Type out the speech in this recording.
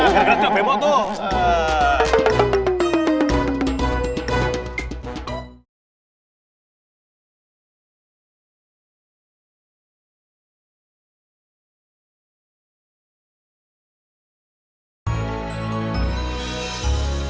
gagal gagal gak bemo tuh